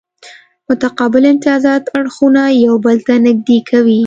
متقابل امتیازات اړخونه یو بل ته نږدې کوي